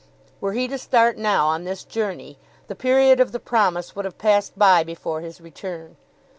Were he to start now on this journey, the period of the promise would have passed by before his return.